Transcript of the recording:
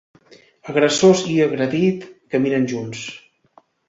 Agressors i agredit caminen junts.